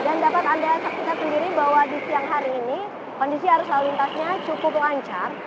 dan dapat anda saksikan sendiri bahwa di siang hari ini kondisi arus lalu lintasnya cukup lancar